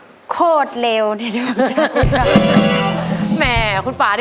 อินโทรยกที่สองของคุณซิมมาเลยครับ